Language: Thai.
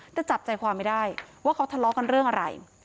แต่จับใจความไม่ได้ว่าเขาทะเลาะกันเรื่องอะไร